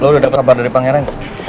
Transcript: lo udah dapat kabar dari pangeran